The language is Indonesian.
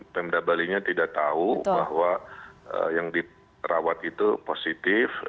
pemda bali nya tidak tahu bahwa yang dirawat itu positif